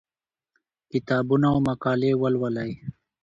کتابونه او مقالې ولولئ.